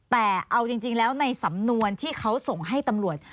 แต่เอาจริงแล้วในสำนวนที่เขาส่งให้ตำรวจ